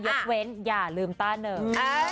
ยกเว้นอย่าลืมต้าหนึ่ง